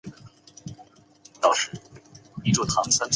可惜在直路发力一般只得第七。